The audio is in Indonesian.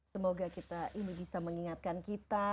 semoga ibu bisa mengingatkan kita